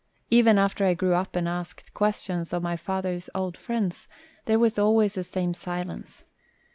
Even after I grew up and asked questions of my father's old friends there was always the same silence.